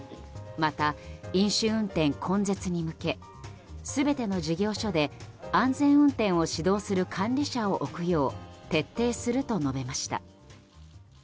また、飲酒運転根絶に向け全ての事業所で安全運転を指導する管理者を置くよう徹底すると述べました。